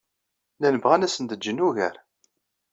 Llan bɣan ad asen-d-jjen ugar.